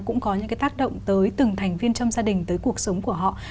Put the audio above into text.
cũng có những cái tác động tới từng thành viên trong gia đình tới cuộc sống của họ